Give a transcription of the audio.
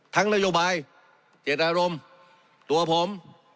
ทั้งนโยบายเจตรอารมณ์ตัวผม